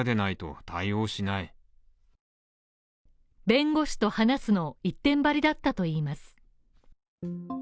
弁護士と話すの一点張りだったといいます。